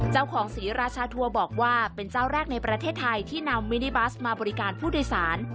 ศรีราชาทัวร์บอกว่าเป็นเจ้าแรกในประเทศไทยที่นำมินิบัสมาบริการผู้โดยสาร